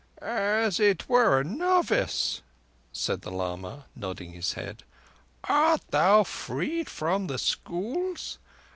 "As it were a novice?" said the lama, nodding his head. "Art thou freed from the schools?